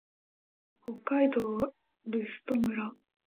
北海道留寿都村